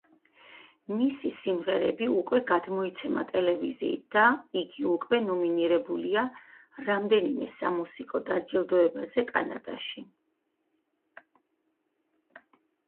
მისი სიმღერები უკვე გადმოიცემა ტელევიზიით და იგი უკვე ნომინირებულია რამდენიმე სამუსიკო დაჯილდოებაზე კანადაში.